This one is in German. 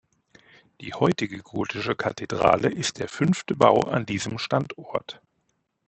Die heutige gotische Kathedrale ist der fünfte Bau an diesem Standort.